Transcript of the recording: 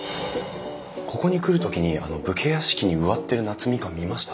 ここに来る時にあの武家屋敷に植わってる夏みかん見ました。